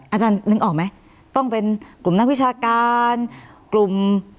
อาจารย์นึกออกไหมต้องเป็นกลุ่มนักวิชาการกลุ่ม